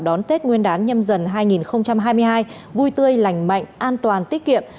đón tết nguyên đán nhâm dần hai nghìn hai mươi hai vui tươi lành mạnh an toàn tiết kiệm